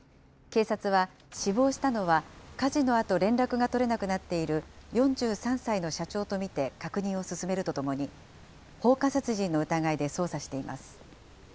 警察は、死亡したのは火事のあと連絡が取れなくなっている４３歳の社長と見て、確認を進めるとともに、放火殺人の疑いで捜査しています。